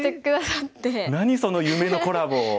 何その夢のコラボ。